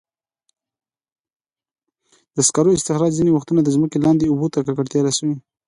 د سکرو استخراج ځینې وختونه د ځمکې لاندې اوبو ته ککړتیا رسوي.